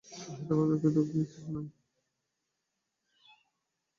ইহাতে ভাবিবার কথা কিছু নাই।